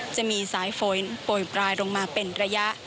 จะมีสายโฟย์ปล่อยปลายลงมาเป็นระยะ